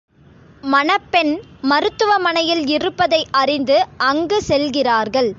மணப்பெண் மருத்துவமனையில் இருப்பதை அறிந்து அங்கு செல்கிறார்கள்.